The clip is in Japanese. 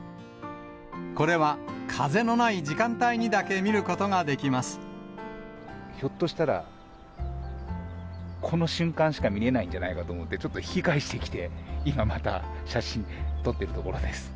これは風のない時間帯にだけ見るひょっとしたら、この瞬間しか見れないんじゃないかと思って、ちょっと引き返してきて、今また、写真撮ってるところです。